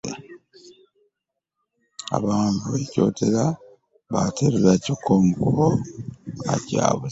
Abaawambibwa e Kyotera bateereddwa kyokka omu ku bo akyabuze